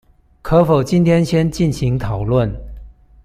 可否今天先進行討論